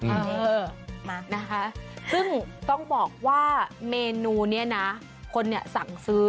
เออมานะคะซึ่งต้องบอกว่าเมนูนี้นะคนเนี่ยสั่งซื้อ